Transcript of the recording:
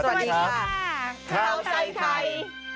สวัสดีครับเราใช้ไทย